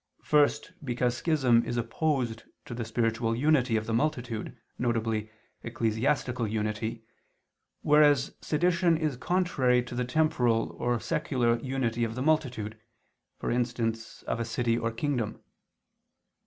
First, because schism is opposed to the spiritual unity of the multitude, viz. ecclesiastical unity, whereas sedition is contrary to the temporal or secular unity of the multitude, for instance of a city or kingdom.